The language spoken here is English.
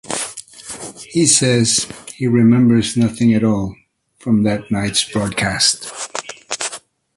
He says he "remembers nothing at all" from that night's broadcast.